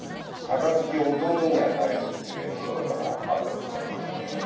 「杯を弟に与える」っていうエピソードもあったと思いますけど。